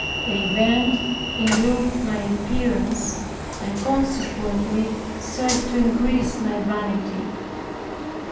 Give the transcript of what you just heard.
The event improved my appearance, and consequently served to increase my vanity.